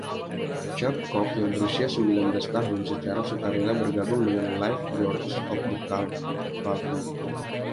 Chertkov yang berusia sembilan belas tahun secara sukarela bergabung dengan Life Guards of the Cavalry.